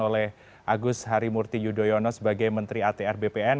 oleh agus harimurti yudhoyono sebagai menteri atr bpn